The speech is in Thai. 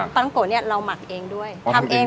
ปลาท้องโกะเนี่ยเราหมักเองด้วยทำเอง